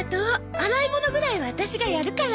洗い物ぐらいはワタシがやるから。